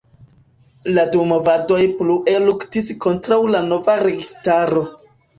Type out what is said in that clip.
La du movadoj plue luktis kontraŭ la nova registaro.